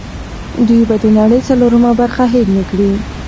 دوی به د نړۍ څلورمه برخه هېر نه کړي.